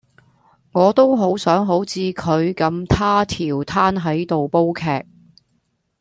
我都好想好似佢咁佗佻攤喺度煲劇